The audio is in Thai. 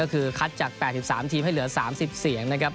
ก็คือคัดจาก๘๓ทีมให้เหลือ๓๐เสียงนะครับ